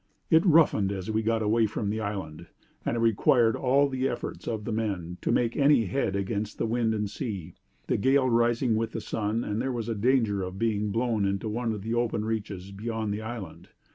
It roughened as we got away from the island, and it required all the efforts of the men to make any head against the wind and sea; the gale rising with the sun; and there was danger of being blown into one of the open reaches beyond the island.